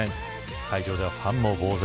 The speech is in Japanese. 会場ではファンもぼう然。